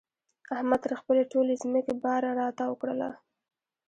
احمد تر خپلې ټولې ځمکې باره را تاو کړله.